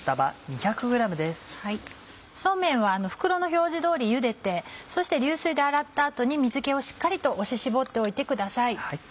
そうめんは袋の表示通りゆでてそして流水で洗った後に水気をしっかりと押ししぼっておいてください。